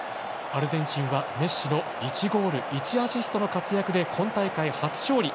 アルゼンチンはメッシの１ゴール１アシストの活躍で今大会初勝利。